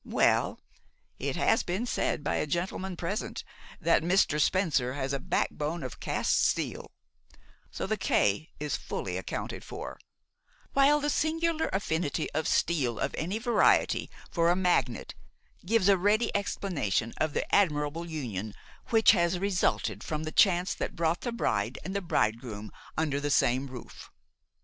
Well, it has been said by a gentleman present that Mr. Spencer has a backbone of cast steel, so the 'K' is fully accounted for, while the singular affinity of steel of any variety for a magnet gives a ready explanation of the admirable union which has resulted from the chance that brought the bride and bridegroom under the same roof."